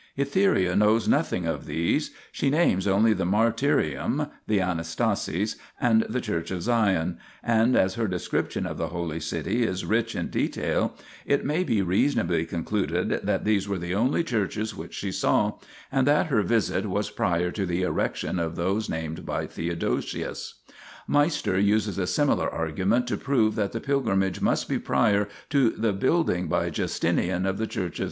Etheria knows nothing of these ; she names only the Martyrium, the Anastasis, and the Church of Sion, and as her description of the holy city is rich in detail, it may be reasonably concluded that these were the only churches which she saw, and that her visit was prior to the erection of those named by Theo dosius. Meister uses a similar argument to prove that the pilgrimage must be prior to the building by Justinian of the Church of S.